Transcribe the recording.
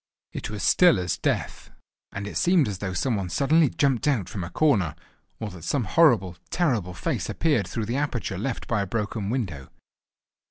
It was still as death, and it seemed as though some one suddenly jumped out from a corner, or that some horrible, terrible face appeared through the aperture left by a broken window.